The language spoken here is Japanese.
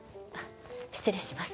失礼します。